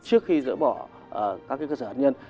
trước khi dỡ bỏ các cơ sở hạt nhân